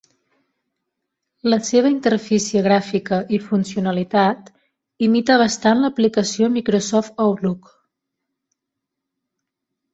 La seva interfície gràfica i funcionalitat imita bastant l'aplicació Microsoft Outlook.